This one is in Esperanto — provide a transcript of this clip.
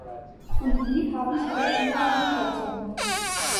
Kun li havis profundan amikecon.